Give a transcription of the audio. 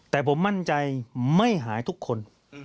แต่ผมมั่นใจไม่หายทุกคน